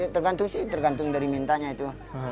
tergantung sih tergantung dari mintanya itu